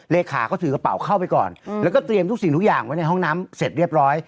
เลขาก็ถือกระเป๋าเข้าไปก่อนแล้วก็เตรียมทุกสิ่งทุกอย่างไว้ในห้องน้ำเสร็จเรียบร้อย